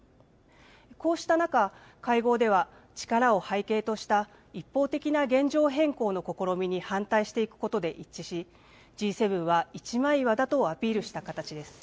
こうした中、会合では力を背景とした一方的な現状変更の試みに反対していくことで一致し、Ｇ７は一枚岩だとアピールした形です。